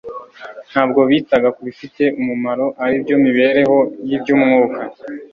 ntabwo bitaga ku bifite umumaro aribyo mibereho y'iby'umwuka.